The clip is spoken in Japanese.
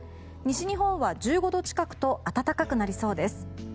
西日本は１５度近くと暖かくなりそうです。